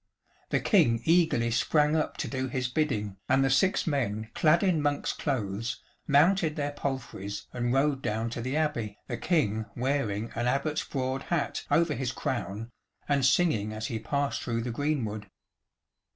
The King eagerly sprang up to do his bidding, and the six men clad in monk's clothes mounted their palfreys and rode down to the Abbey, the King wearing an Abbot's broad hat over his crown and singing as he passed through the greenwood.